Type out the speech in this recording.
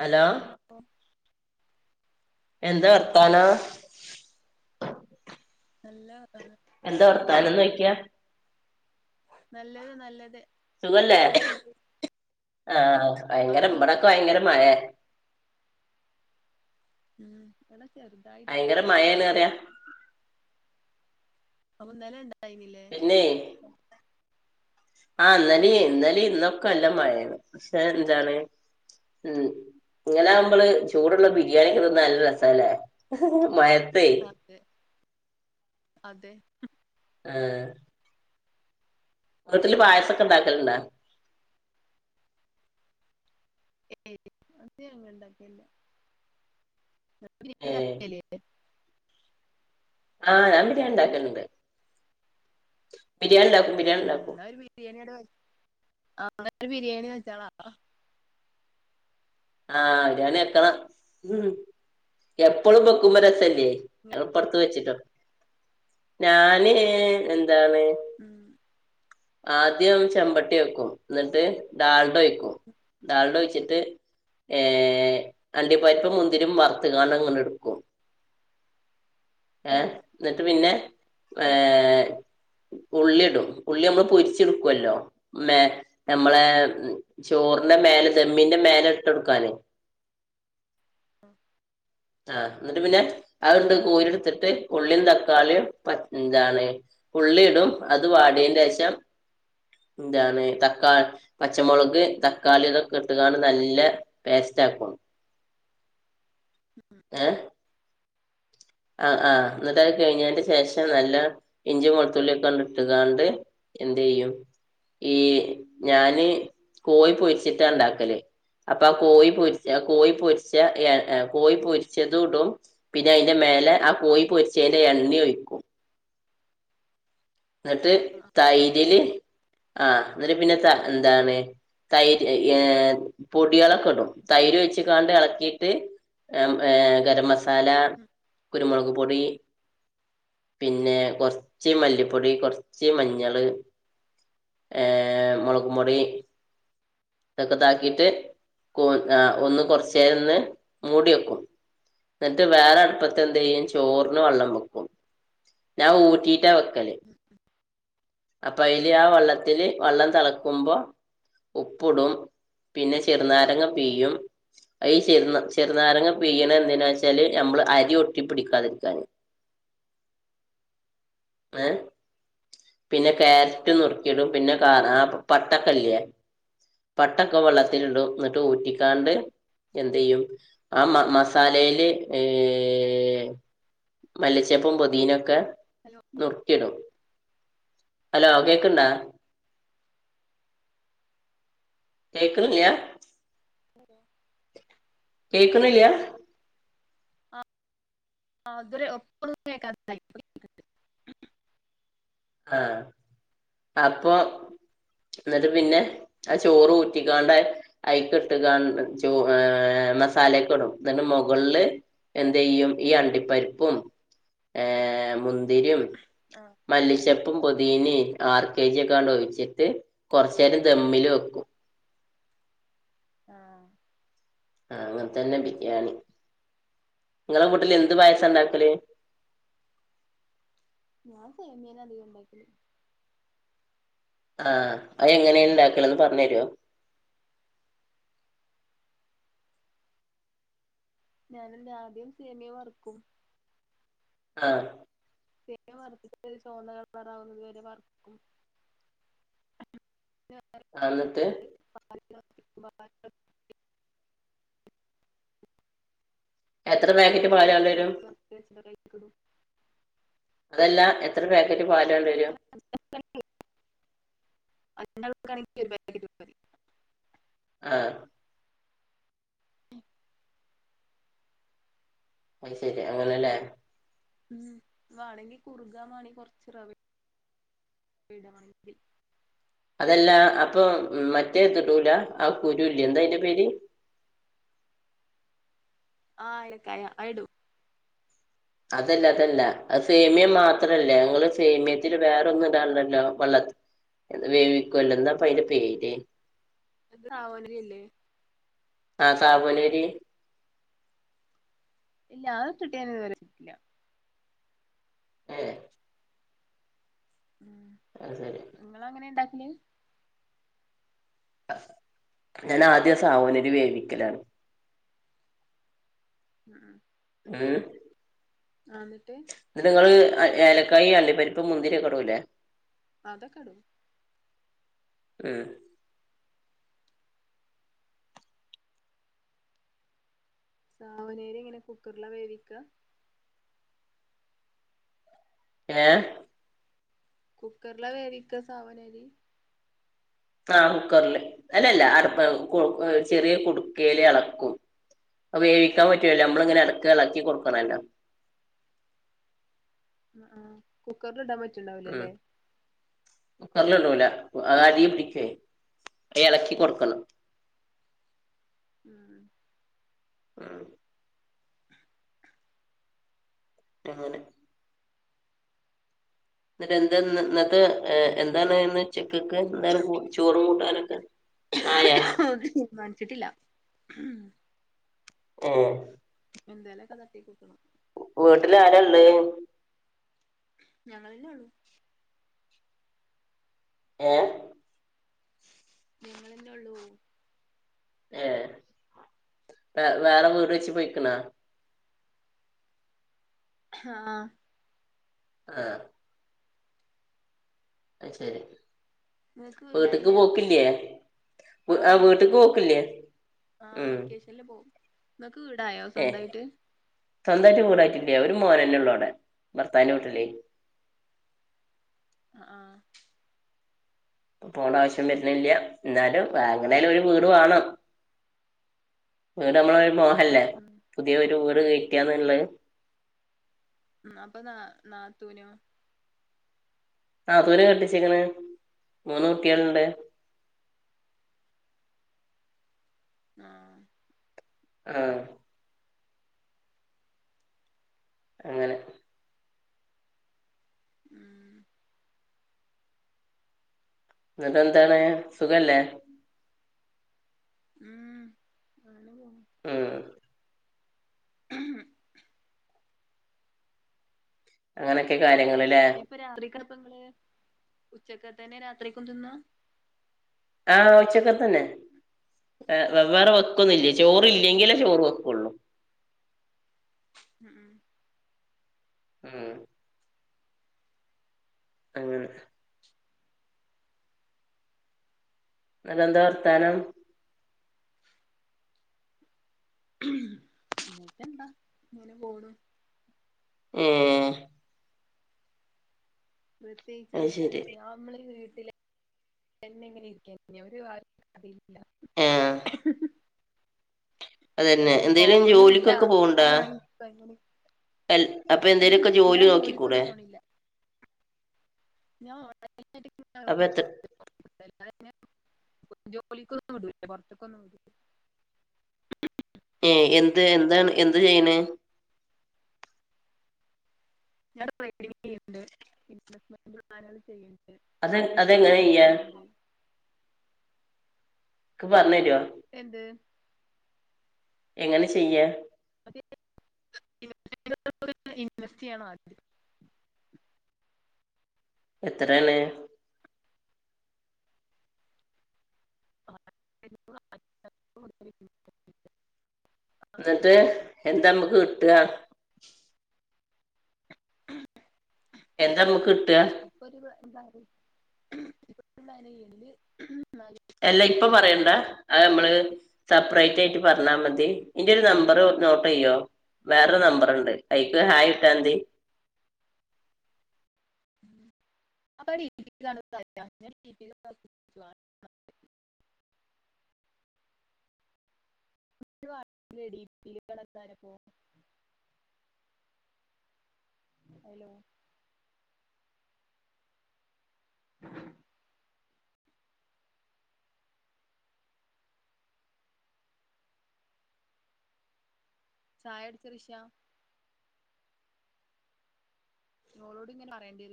Hello എന്താ വർത്താനം ആഹ് നല്ല വർത്താനം എന്താ വർത്താനം നോയിക്കാ നല്ലത് നല്ലത് സുഖല്ലേ ആഹ് ഭയങ്കര ഇവിടൊക്കെ ഭയങ്കര മയെ ഉമ് ഇവടെ ഭയങ്കര മയേന്നറിയ അപ്പൊ ഇന്നലെ ഇണ്ടായിനില്ലേ പിന്നെ ആഹ് ഇന്നലെ ഇന്നാലെ ഇന്നൊക്കെ നല്ല മഴാണ് പക്ഷെ എന്താണ് ഉമ് ഇങ്ങനെ ആകുമ്പള് ചൂടുള്ള ബിരിയാണി കെ തിന്നാൻ നല്ല രസാലേ മ അതെ അതെ ഉമ് ആഹ് വീട്ടിൽ ഉം പായസൊക്കെ ഇണ്ടാക്കൽ ണ്ടോ ഏയ് അത് ഞങ്ങ ഇണ്ടാക്കല്ല ഏഹ് [unintelligible] ആഹ് ഞാൻ ബിരിയാൻ ഉം ഇണ്ടാക്കൽ ണ്ട് ഉമ് എന്ന ഒരു ബിരിയാണി ടെ ആഹ് ഒരു ബിരിയാണി വെച്ചാളാ ആഹ് ബിരിയാണി വെക്കണം എപ്പളും വെക്കുമ്പോ രസ ല്ലേ ഞങ്ങൾ ഇപ്പടുത്ത് വെച്ചിട്ടോളൂ ഞാന് എ എന്താണ് ഉം ആദ്യം ചെമ്പട്ടി വെക്കും ന്നിട്ട് ഡാൾഡ ഒഴിക്കും. ഡാൽഡ ഒഴിച്ചിട്ട് ഏഹ് അണ്ടിപരിപ്പും മുന്തിരിം വറ്ത്ത്ങ്കാട്ങ്ങനെട്ക്കും ഉം ഏഹ് ഇന്നിട്ട് പിന്നെ ഉം ഏഹ് ഉള്ളിടും ഉള്ളിയാവുമ്പം പൊരിച്ച്ടുക്കല്ലോ മേ ഞമ്മളെ ചോറ്ന്റെ മേലെ ദെമ്മിന്റെ മേലെ ഇ കൊടുക്കാനേ ആഹ ആഹ എന്നിട്ട് പിന്നെ അതുണ്ട് കോരി എടുത്തിട്ട് ഉള്ളിയും തക്കാളിയും പന്താണ്. ഉള്ളി ഇടും അത് വാടിയന്റെയാശം എന്താണ് തക്കാളി പച്ചമുളക് തക്കാളിതൊക്കെ ഇട്ടുകാണ് നല്ല പസ്റ്റ് റ്റാക്കും ഉം ഉം അ. ആ ആ ആഹ് എന്നിട്ട കഴിഞ്ഞതിന്റെ ശേഷം പെ നല്ല ഇഞ്ചി കൊളത്തുള്ളി ഒക്കെ കണ്ട ഇട്ടതാണ്ട് എന്ത് ചെയെയ്യും. ഈ ഞാന് കോഴിപൊഴിച്ചിട്ടാ ഉണ്ടാക്കല്. അപ്പൊ ആ കോഴി പൊരിച്ച കോഴി പൊരിച്ച കോഴിപൊരിച്ചതും ഇടും പിന്നെ.. ന്റെ മേലെ ആ കോയി പൊരിച്ചേെ എണ്ണി ഒഴിക്കും. എന്നിട്ട് ആഹ് ആഹ് ആഹ് തൈരില് ആഹ എന്നിട്ട് പിന്നെ ത എന്താണ്. തൈര് ഏ പൊടിയാളക്കടും തൈര് ഒഴിച്ച്ങ്ങാണ്ട് എള കീട്ട്.. ർ ഏർ ഗരം മസാല ഉം കുരുമുളക് പൊടി പിന്നെ കൊറച്ച്മല്ലിപ്പൊടി കുറച്ച് മഞ്ഞള്. ഏർ മുളക് മുൊടി ഇതൊക്കെ താക്കിയിട്ട് ആ ഒന്ന് കുറച്ചരംന്ന് മൂടി വെക്കും എന്നിട്ട് വേറെ അടുപ്പ എന്ത ചെയ്യും ചോറിന് വെള്ളം വെക്കും ഞാൻ ഊട്ടിട്ടാ വെക്കല്. അപ്പ അതില് ആ വെള്ളത്തില് വള്ളം തളക്കുമ്പോ. ഉപ്പിടും പിന്നെ ചെറുനാരങ്ങ പീയും ചെറ ചെറുനാരങ്ങ പീ്യണ എന്ത വെച്ചല് നമ്മള് അരി. ഒട്ടിപ്പിടിക്കാതിരിക്കാൻആ പിന്നെ കക്യാരറ്റ് നുറുക്കിയിടും പിന്നെ കാ ആ പട്ടക്കല്ിയ പട്ടൊക്കെ വെള്ളത്തി ഇടന്നിട്ട് ഊറ്റിക്കാണ്ട് എന്ത് ചെയ്യും ആ മ മസാലയില് ഏ ർ മല്ലിച്ചപ്പും പൊതീനൊക്കെ ഹലോ നുറുക്കിടും ഹലോ കേക്കണ്ടാ കേക്കുണില്ലാ. ഉ കേക്കുന്നില്ല ആ ആതുൂരെ എപ്പഴ കേക്ക ആഹ അപ്പൊ എന്നിട്ട് പിന്നെ ആ ചോറ് ഊറ്റിക്കാണ്ട് അഐക്ക ഇട്ടാ ചോ മസാലയൊക്കെ ഇടും പിെ മുകളില് എന്ത ചെയ്യും ഈ അണ്ടിപ്പരിപ്പും ഏഹ മുന്തിരിയും ആഹ ചപ്പും പുതിീന് ആർ കെ ജി ഒക്കൊണ്ട് ഒഴിച്ചിട്ട് കൊറച്ച നേേരം ദമ്മില് വെക്കും ആഹ ആഹ അങ്ങനത്ത തന്നെ ബിരിയാണി നിങ്ങളെ കൂട്ടില് എന്ത് പായസ ഉണ്ടാക്കല് നാ സ എമയന അധികംണ്ടൈിക്ക ആഹ അത് എങ്ങനെയ ഉണ്ടാക്കളന്ന് പറഞ്ഞഞ് തരുോ ഞാനെല്ലറെ ആദ്യം സേമിയ മറക്കും ആഹ തേ വറത്തിട്ട ഒരു ചുമന്ത കളണറാവുന്നത്വരെ വർപ്പും അന്നത്തെ് അഞ്ചാൾക്കാണെങ്കിൽ എത്ര പാക്കറ്റ് പാലണ്ടര [unintelligible] അതല്ല എത്ര പാക്കറ്റ് പാല ഉണ്ടരോ അച്ണ്ടകണപ ആഹ ഉ അ ശരി അങ്ങനല്ലേ ഉം വേണെങ്കി കുറുകാൻ വേണി കൊറച്ച് റവ ട വണ്ടി അതെല്ല അപ്പൊ മറ്റേ തടൂല ആ കുരു എന്താ അറെ പേര് ആ് എടക്കായ ആയിടു അതല്ല അതല്ല അ സേമിയം മാത്രല്ല ഞങ്ങള് സേമിയ ഒത്തിരി വേറെ ഒന്നും ഇണ്ടില്ലല്ലോ വെള്ള വേവിക്കുവല്ലോ എന്നാ പയിന്റെ പേര് അത് സാവോല അല്ലേ ആഹ സാാവനേരി ഇല്ല അത്ും കിട്ടിയൻ ഇതു വരെട്ടില്ല ഏ ആഹ ശരി പി ഞാൻ ആദ്യം സാഹോനര് വേവിക്കലാണ് ഉം ഏ ആ എന്നിട്ട് ഏലക്കായ അള്ളിപ്പരിപ്പ് മുന്തിരി കടവൂല്ലേ അതെ കാട എഏ സാവനേരി ഇങ്ങനെ കുക്കറില വേവിക്ക ഏ കുക്കറില വേടിക്ക സാാവനരി ആഹ കുക്കറില് അല്ലല്ല അടു ചെറിയ കുടുക്കൽ ഇളക്കും അപ്പൊ വേവിക്കാൻ പറ്റുവല്ലേ നമ്മള ഇങ്ങനെ ഇടക്ക് ഇളക്കി കൊടുക്കണംല്ലോ ഉ കുക്കറൽ ഇടാ പറ്റണ്ടാവലേല്ലേ കുക്കറിലള്ളൂല അ അരി പിടിക്കേ അ ഇളക്കി കൊടുക്കണം ഉം ആ [inaudible] എന്നിട്ട് എന്താ എന്നിട്ട എന്താണ് ഇന്ന് ഉച്ചയ്ക്ക് എന്താ ചോറ് കൂട്ടാനൊക്കെ ആയാ ഒന്നും തീരുമാനിച്ചിട്ടില്ല ആ [inaudible] വീട്ടിൽ ആരാ ഉള്ളേ ഞങ്ങളല്ലേയുള്ളു ഏ ഞങ്ങളല്ലേ ഉള്ളൂ ഏ വേറെ വീട് വെച്ച് പോയിക്കണാ ആ ആ അ ശരി വീട്ടിക്ക് പോക്കില്ലേ ആ വീട്ട്ക്ക് പോക്കണ്ട് പോക്കില്ലേ ആ ഉം വെക്കേഷനിൽ പോവും നിങ്ങക്ക് വീടായോ ഏ സ്വന്തമായിട്ട് സ്വന്തമായിട്ട് വീടായിട്ടില്ലേ ഒരു മോനല്ലേ ഉള്ളൂ ഇവിടെ ഭർത്താവിൻ്റെ വീട്ടിൽ ആ അപ്പ പോണ്ട ആവശ്യം വരണില്ല എന്നാലും വാങ്ങനേൽ ഒരു വീട് വേണം ആ നമ്മൾ അല്ലെ ഉം പുതിയ ഒരു വീട് വെയ്ക്കാനുള്ളത് ഉ അപ്പൊ നാ നാത്തൂവിനോ ആ ദൂരേ കെട്ടിച്ചേക്കണേ മൂന്ന് കുട്ടികളുണ്ട് [inaudible] [inaudible] ആ അങ്ങനെ ഉം എന്നിട്ട് എന്താണ് സുഖമല്ലേ [inaudible] ആ [inaudible] അങ്ങനെയൊക്കെ കാര്യങ്ങളല്ലേ ഉച്ചയ്ക്കതന്നേ രാത്രിയ്ക്കാ എന്തുന്നാ ആ ഉച്ചയ്ക്ക തന്നെ വ വേറെ വെക്കൊന്നും ഇല്ല ചോറല്ലെങ്കിലേ ചോറ് വെയ്ക്കുള്ളു [inaudible] [inaudible] അങ്ങനെ അതെന്താ വർത്തമാനം എന്നിട്ട് എന്താ ഇങ്ങനെ പോണു ആ പ്രത്യേകിച്ച് അത് എന്താ ശരി ഞാൻ നമ്മളീ [inaudible] എന്നെ എങ്ങനെ ഇരിക്കാന്ന ആ [inaudible] അതന്നെ എങ്ങോട്ടും എന്തേലും പോവാനുമില്ല ജോലിക്കൊക്കെ അ അപ്പൊ എന്തേലുമൊക്കെ ജോലി നോക്കിക്കൂടെ ജോലിക്കൊന്നും [inaudible] [inaudible] അപ്പൊ എത്ര പിന്ന ജോലിക്കൊന്നും വിടില്ല പുറത്തക്കൊന്നും വിടില്ല ഏ എന്ത് എന്താണ് എന്ത് ചെയ്യണേ ഞാൻ [inaudible] ചെയുണ്ട് ഇവെസ്മെന്റ് ചെയ്യണ്ട് അത് സ്റ്റാറ്റസ് അതെങ്ങനെ വർക്കുകൾ ചെയ്യാ ചെയ്യ്ണ്ട്. ക്ക്‌ പറഞ്ഞരോ. എന്ത്? എങ്ങനെ ചെയ്യ? [unintelligible] ഇൻവെസ്റ്റയ്യണം ആദ്യം. എത്രേണ്? [inaudible] ന്നട്ട് എന്താമുക്ക് കിട്ട? എന്താമ്മുക്കിട്ട? ഇപ്പൊ ഒരു [inaudible] അല്ല ഇപ്പൊ പറയണ്ട അതമ്മള് സെപ്റേറ്റ് [unintelligible] ട്ട് പറഞ്ഞാ മതി ഇന്റെരു നമ്പർ നോട്ടെയ്യോ? വേറൊരു നമ്പർണ്ട് അയ്ക്ക് ഹായിട്ടാതി. അപ്പൊ [unintelligible] [unintelligible] രെപോ ഹലോ. ചായടിച്ച റിഷ. ഞളോട്ങ്ങന പറയണ്ടിരും.